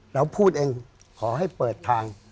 เราพูดเองขอให้เปิดทาง